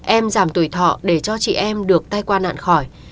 em giảm tuổi thọ để cho chị em được tay qua nạn khỏi